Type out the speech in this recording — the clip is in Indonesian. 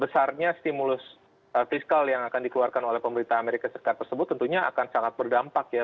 besarnya stimulus fiskal yang akan dikeluarkan oleh pemerintah amerika serikat tersebut tentunya akan sangat berdampak ya